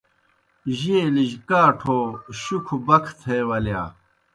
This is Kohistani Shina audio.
جیلِجیْ کاٹھو شُکھہ بکھہ تھے ولِیا۔